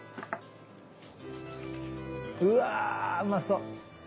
うわうまそ！